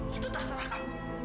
itu terserah kamu